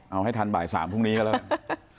เอาให้ทันบ่าย๓พรุ่งนี้ก็เริ่ม